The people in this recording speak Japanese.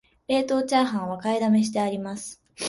冷凍チャーハンは買いだめしてあります